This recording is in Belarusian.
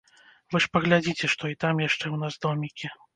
Вы ж паглядзіце, што і там яшчэ ў нас домікі.